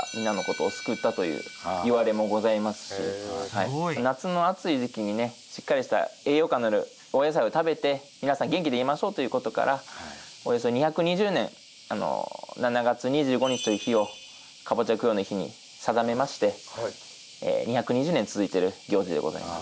すごい夏の暑い時期にねしっかりした栄養価のあるお野菜を食べて皆さん元気でいましょうということからおよそ２２０年７月２５日という日をカボチャ供養の日に定めまして２２０年続いてる行事でございます。